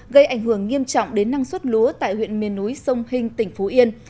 gây ảnh hưởng nghiêm trọng đến năng suất lúa tại huyện miền núi sông hinh tỉnh phú yên